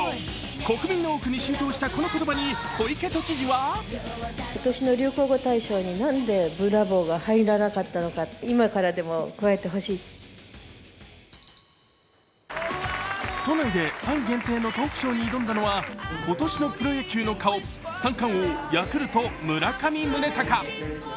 国民の多くに浸透したこの言葉に小池都知事は都内でファン限定のトークショーに挑んだのは今年のプロ野球の顔、三冠王、ヤクルト・村上宗隆。